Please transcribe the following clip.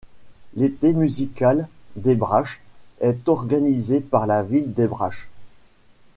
L’Eté musical d’Ebrach est organisé par la ville d’Ebrach.